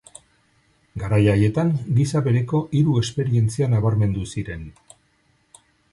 Garai haietan gisa bereko hiru esperientzia nabarmendu ziren.